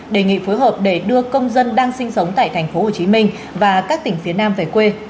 đề nghị phối hợp để đưa công dân đang sinh sống tại tp hcm và các tỉnh phía nam về quê